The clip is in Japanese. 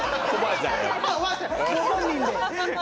ご本人で。